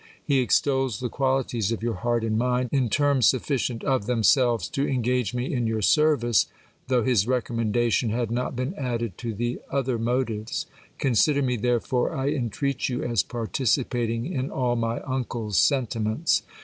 He extols the qualities of your heart and mind in terms sufficient of themselves to engage me in your service, though his recommendation had not been added to the other motives. Consider me, therefore, I entreat you, as participating in all my uncle's sentiments.